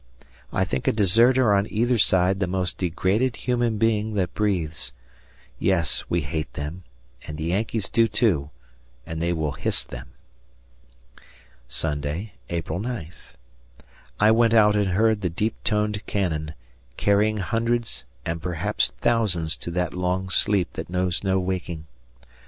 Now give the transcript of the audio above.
I think a deserter on either side the most degraded human being that breathes. Yes, we hate them, and the Yankees do too, and they will hiss them. Sunday, April 9th. I went out and heard the deep toned cannon, carrying hundreds and perhaps thousands to that long sleep that knows no waking.